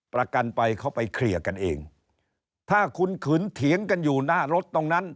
ประกันไปเขาไปเคลียร์กันเองถ้าคุณขึนเถียงกันอยู่หน้ารถตรงนั้น